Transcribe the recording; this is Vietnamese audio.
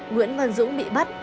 nguyễn văn dũng bị bắt